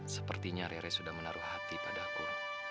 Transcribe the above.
sepertinya rere sudah menaruh hati padaku